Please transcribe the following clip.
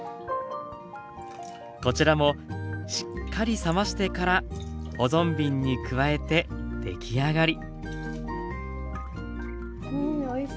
こちらもしっかり冷ましてから保存瓶に加えてできあがり。